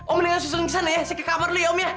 om jangan langsung kesana ya saya ke kamar dulu ya om ya